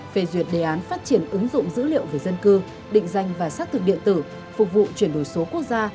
về duyệt đề án phát triển ứng dụng dữ liệu về dân cư định danh và xác thực điện tử phục vụ chuyển đổi số quốc gia